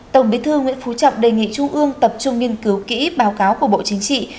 tổng bí thư nguyễn phú trọng đề nghị trung ương tập trung nghiên cứu kỹ báo cáo của bộ chính trị